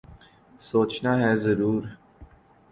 سوچنا ہے ضرور ۔